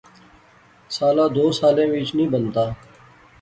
سالا دو سالیں وچ نی بنتا